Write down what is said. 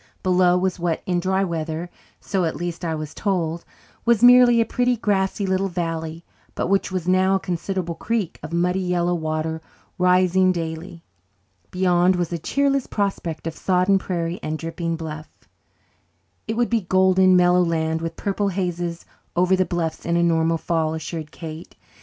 Below was what in dry weather so, at least, I was told was merely a pretty, grassy little valley, but which was now a considerable creek of muddy yellow water, rising daily. Beyond was a cheerless prospect of sodden prairie and dripping "bluff." "It would be a golden, mellow land, with purple hazes over the bluffs, in a normal fall," assured Kate.